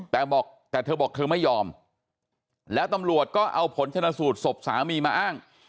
แต่บอกแต่เธอบอกเธอไม่ยอมแล้วตำรวจก็เอาผลชนะสูตรศพสามีมาอ้าง